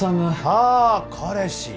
ああ彼氏